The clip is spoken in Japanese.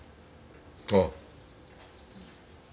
ああ。